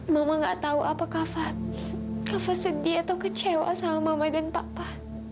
mama gak tahu apa kava sedih atau kecewa sama mama dan papa